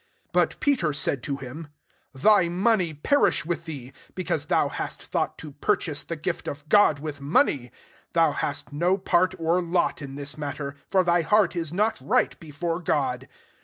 20 But Peter lid to him, " Thy money per «b with thee; because thou ast thought to purchase the tft of God with money. 21 hou hast no part or lot in this latter: for thy heart is not ght before God.